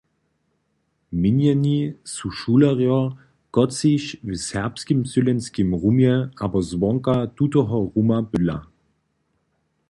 Měnjeni su šulerjo, kotřiž w serbskim sydlenskim rumje abo zwonka tutoho ruma bydla.